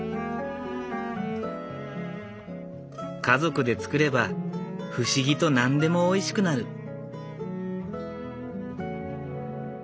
家族で作れば不思議と何でもおいしくなる。